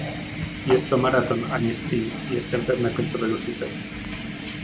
Jest to maraton, a nie sprint, i jestem pewna końcowego sukcesu